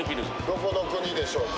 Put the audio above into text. どこの国でしょうか？